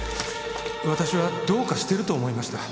「私はどうかしていると思いました」